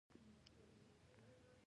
ایډیالوژي، سیاست او دین دا کار کوي.